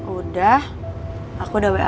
udah aku udah wa dia bu